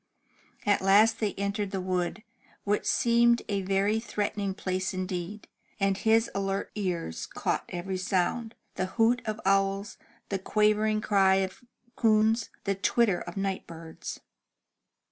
At last they entered the wood, which seemed a very threatening place indeed, and his alert ears caught every sound, — the hoot of owls, the quavering cry of coons, the twitter of night birds.